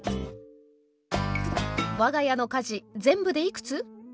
「我が家の家事全部でいくつ？」。